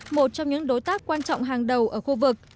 một trong những đối tác quan trọng hàng đầu ở khu vực